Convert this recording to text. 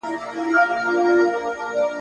دا خطر به قبلوي چي محوه کیږي !.